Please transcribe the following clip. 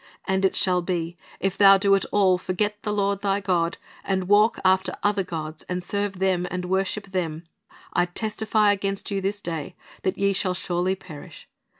And it shall be, if thou do at all forget the Lord thy God, and walk after other gods, and serve them, and worship them, I testify against you this day that ye shall surely perish.